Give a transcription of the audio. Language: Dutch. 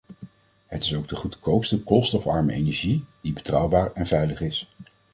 Het is ook de goedkoopste koolstofarme energie, die betrouwbaar en veilig is.